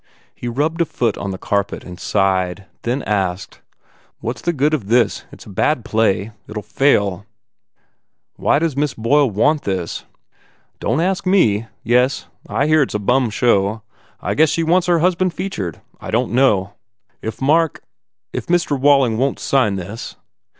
He rubbed a foot on the carpet and sighed, then asked, "What s the good of this? It s a bad play. It ll fair. Why does Miss Boyle want this?" 269 THE FAIR REWARDS "Don t ask me. Yes, I hear it s a bum show. I guess she wants her husban featured. I don t know." "If Mark if Mr. Walling won t sign this?"